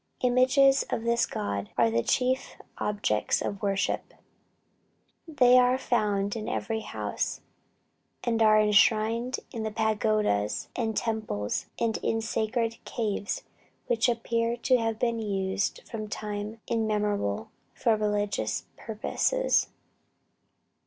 Images of this god are the chief objects of worship. These are found in every house, and are enshrined in pagodas and temples, and in sacred caves which appear to have been used from time immemorial for religious purposes.